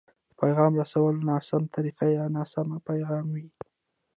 د پيغام رسولو ناسمه طريقه يا ناسم پيغام وي.